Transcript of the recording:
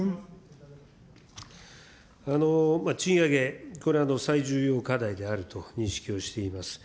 賃上げ、これは最重要課題であると認識をしています。